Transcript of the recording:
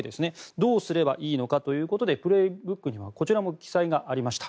どうすればいいのかということで「プレーブック」にはこちらも記載がありました。